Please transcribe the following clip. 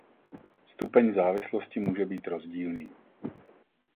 Stupeň závislosti může být rozdílný.